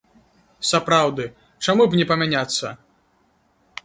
Сапраўды, чаму б не памяняцца?